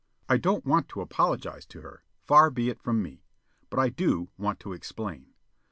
I don't want to apologize to her. Far be it from me. But I do want to explain.